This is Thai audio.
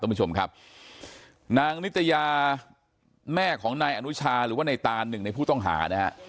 คุณผู้ชมครับนางนิตยาแม่ของนายอนุชาหรือว่าในตานหนึ่งในผู้ต้องหานะฮะ